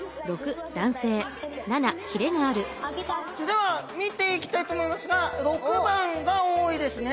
では見ていきたいと思いますが６番が多いですね